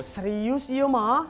serius ya ma